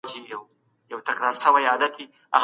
سازمانونه د کډوالو په قانون کي څه بدلوي؟